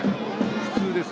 普通です。